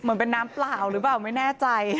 เหมือนเป็นน้ำเปล่าหรือเปล่าไม่แน่ใจ